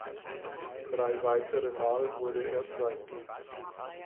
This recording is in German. Drei weitere Mal wurde er Zweiter.